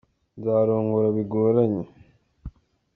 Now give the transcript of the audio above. Nzarongora bigoranye.